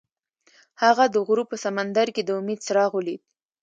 هغه د غروب په سمندر کې د امید څراغ ولید.